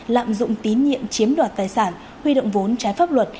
lạm dụng tín nhiệm chiếm đoạt tài sản huy động vốn trái pháp luật